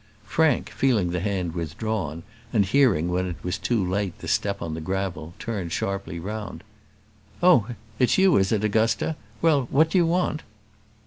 Frank, feeling the hand withdrawn, and hearing, when it was too late, the step on the gravel, turned sharply round. "Oh, it's you, is it, Augusta? Well, what do you want?"